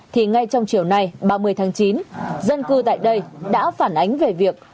thì ngay trong chiều nay ba mươi tháng chín dân cư tại đây đã phản ánh về việc